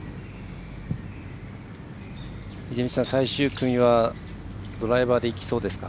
秀道さん、最終組はドライバーでいきそうですか？